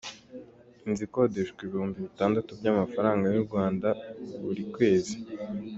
Inzu ikodeshwa ibihumbi bitandatu by’amafaranga y’u Rwanda buri kwezi.